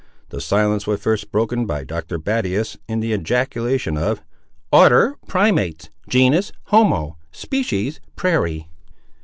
The silence was first broken by Dr. Battius, in the ejaculation of—"Order, primates; genus, homo; species, prairie!"